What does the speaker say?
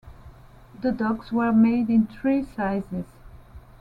The dogs were made in three sizes.